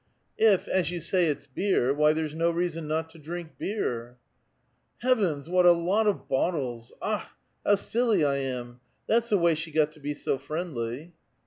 "If, as you say, it's beer, why, there's no reason not to drink beer." (" Gospodi (Heavens) ! what a lot of bottles ! Akh! how silly I am. That's the way she got to be so friendly